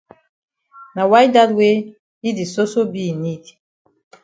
Na why dat wey yi di soso be in need.